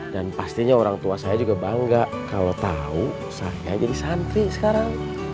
dan pastinya orang tua saya juga bangga kalau tahu saya jadi santri sekarang